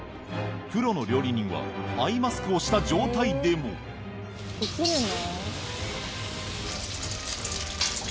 プロの料理人はアイマスクをした状態でもできるの？